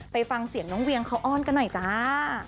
ไปฟังเสียงน้องเวียงเขาอ้อนกันหน่อยจ้า